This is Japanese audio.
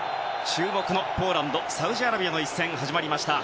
注目のポーランドサウジアラビアの一戦始まりました。